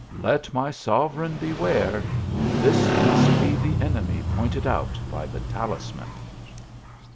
Let my sovereign be ware this must be the enemy pointed out by the talisman."